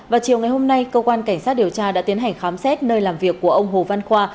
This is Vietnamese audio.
vào chiều ngày hôm nay cơ quan cảnh sát điều tra đã tiến hành khám xét nơi làm việc của ông hồ văn khoa